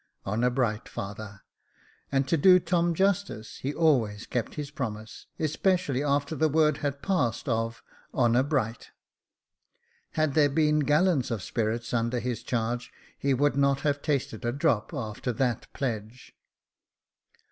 Honour bright, father;" and to do Tom justice, he always kept his promise, especially after the word had passed of honour bright." Had there been gallons of spirits under his charge he would not have tasted a drop after that pledge.